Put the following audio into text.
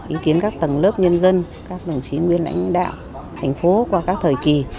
ý kiến các tầng lớp nhân dân các đồng chí nguyên lãnh đạo thành phố qua các thời kỳ